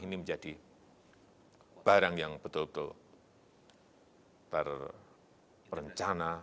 ini menjadi barang yang betul betul terencana